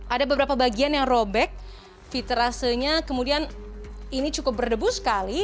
ada beberapa bagian yang robek fitrasenya kemudian ini cukup berdebu sekali